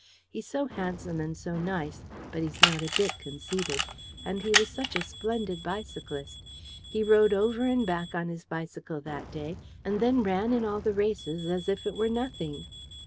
He's so handsome and so nice, but he's not a bit conceited. And he was such a splendid bicyclist! He rode over and back on his bicycle that day, and then ran in all the races as if it were nothing."